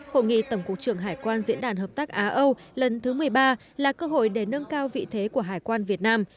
hội nghị tổng cục trưởng hải quan diễn đàn hợp tác á âu lần thứ một mươi ba là cơ hội để nâng cao vị thế của hải quan việt nam